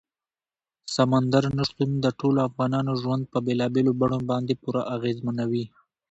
سمندر نه شتون د ټولو افغانانو ژوند په بېلابېلو بڼو باندې پوره اغېزمنوي.